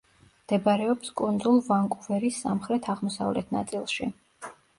მდებარეობს კუნძულ ვანკუვერის სამხრეთ-აღმოსავლეთ ნაწილში.